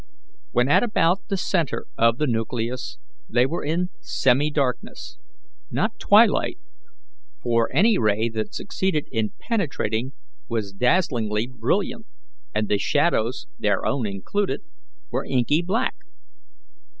When at about the centre of the nucleus they were in semi darkness not twilight, for any ray that succeeded in penetrating was dazzlingly brilliant, and the shadows, their own included, were inky black.